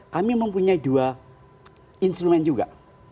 kami mempunyai dua instrumen juga